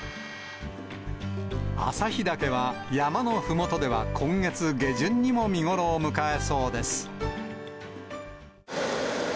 旭岳は山のふもとでは今月下旬にも見頃を迎えそうです。